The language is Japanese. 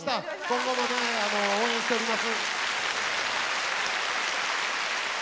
今後も応援しております。